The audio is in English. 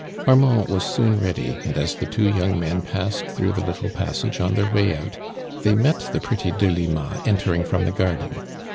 '^ Armand was soon ready, and as the two young men passed through the little pas sage, on their Avay out, they met the pretty Delima entering from the garden.